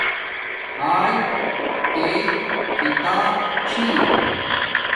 ہاݵݵ تے کتاپ چھی